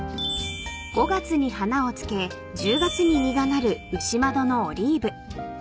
［５月に花をつけ１０月に実がなる牛窓のオリーブ］